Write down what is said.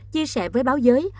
chia sẻ với báo giới